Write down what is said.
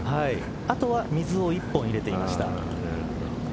あとは水を１本入れていました。